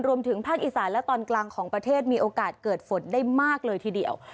รวมถึงภาคอีสานและตอนกลางของประเทศมีโอกาสเกิดฝนได้มากเลยทีเดียว